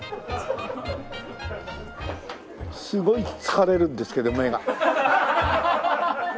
すごい疲れるんですけど目が。